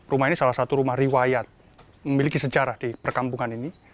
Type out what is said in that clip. rumah ini salah satu rumah riwayat memiliki sejarah di perkampungan ini